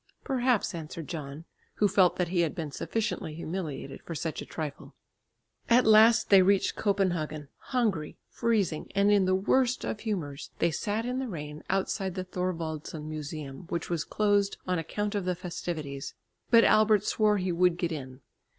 "Perhaps," answered John, who felt that he had been sufficiently humiliated for such a trifle. At last they reached Copenhagen. Hungry, freezing, and in the worst of humours they sat in the rain outside the Thorwaldsen Museum, which was closed on account of the festivities. But Albert swore he would get in.